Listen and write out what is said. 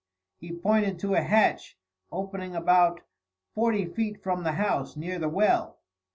He pointed to a hatch, opening about forty feet from the house, near the well.